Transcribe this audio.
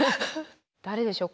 誰でしょう。